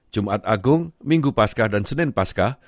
jumat agung minggu paskah dan senin paskah